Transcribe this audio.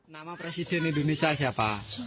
nama presiden indonesia siapa